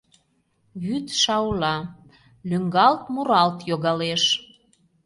Вӱд шаула, лӱҥгалт-муралт йогалеш.